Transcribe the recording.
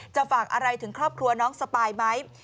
ฝากอะไรถึงครอบครัวน้องสปายไหม